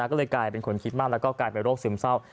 ก็เลยกลายเป็นคนคิดมากแล้วก็กลายเป็นโรคซึมเศร้า